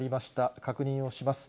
確認をします。